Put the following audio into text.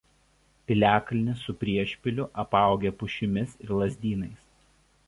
Piliakalnis su priešpiliu apaugę pušimis ir lazdynais.